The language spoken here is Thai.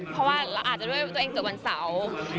เพราะว่าเราอาจจะด้วยตัวเองเกิดวันเสาร์